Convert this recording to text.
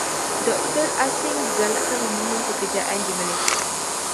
Doktor asing digalakkan memohon pekerjaan di Malaysia.